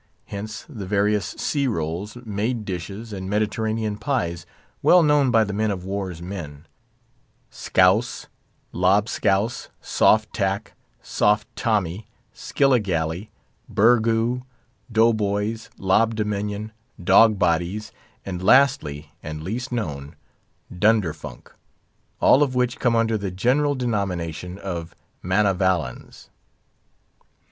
Hence the various sea rolls, made dishes, and Mediterranean pies, well known by men of war's men—Scouse, Lob scouse, Soft Tack, Soft Tommy, Skillagalee, Burgoo, Dough boys, Lob Dominion, Dog's Body, and lastly, and least known, Dunderfunk; all of which come under the general denomination of Manavalins.